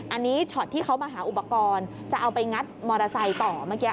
อันนี้ช็อตที่เขามาหาอุปกรณ์จะเอาไปงัดมอเตอร์ไซค์ต่อเมื่อกี้